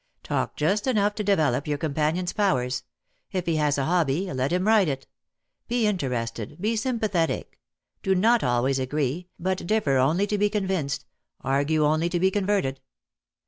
Talk just enough to develop your companion''s powers. If he has a hobby, let him ride it. Be interested,, be sympathetic. Do not always agree, but differ only to be convinced, argue only to be converted.